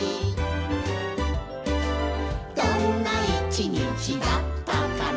「どんな一日だったかな」